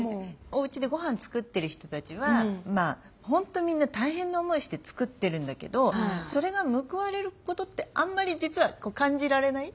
おうちでごはん作ってる人たちは本当みんな大変な思いして作ってるんだけどそれが報われることってあんまり実は感じられない？